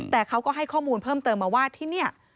แต่เขาก็ให้ข้อมูลเพิ่มเติมมาว่าที่นี่